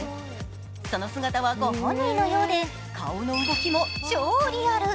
その姿は、ご本人のようで顔の動きが超リアル。